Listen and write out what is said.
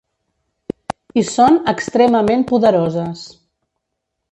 I són extremament poderoses.